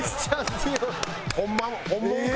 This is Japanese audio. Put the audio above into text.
本物か？